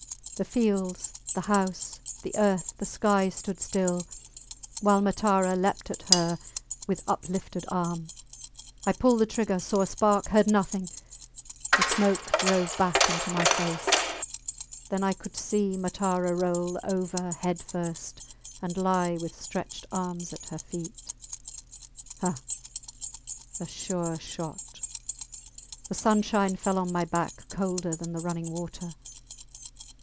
The fields, the house, the earth, the sky stood still while Matara leaped at her with uplifted arm. I pulled the trigger, saw a spark, heard nothing; the smoke drove back into my face, and then I could see Matara roll over head first and lie with stretched arms at her feet. Ha! A sure shot! The sunshine fell on my back colder than the running water.